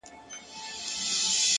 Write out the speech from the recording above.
خپل فکرونه لوړ وساتئ!